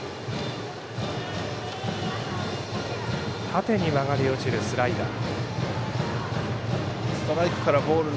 縦に曲がり落ちるスライダー。